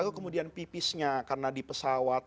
lalu kemudian pipisnya karena di pesawat